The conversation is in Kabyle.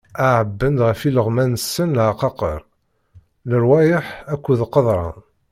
Ɛebban-d ɣef ileɣman-nsen leɛqaqer, lerwayeḥ akked qeḍran.